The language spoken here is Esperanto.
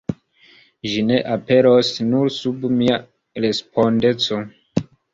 Ĝi ne aperos nur sub mia respondeco.